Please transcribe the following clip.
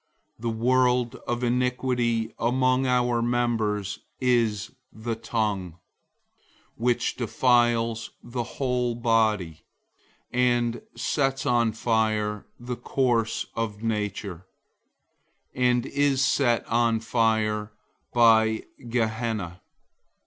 The world of iniquity among our members is the tongue, which defiles the whole body, and sets on fire the course of nature, and is set on fire by Gehenna.